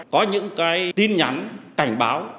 có những tin nhắn cảnh báo